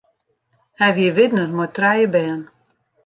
Hy wie widner mei trije bern.